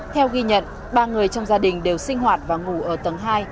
theo ghi nhận ba người trong gia đình đều sinh hoạt và ngủ ở tầng hai